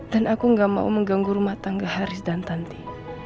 dan aku gak mau mengganggu rumah tangga haris dan tanti